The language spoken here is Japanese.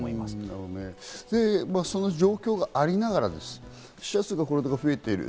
で、その状況がありながら死者数が増えている。